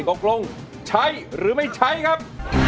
เกาะโครงใช้หรือไม่ใช้ครับ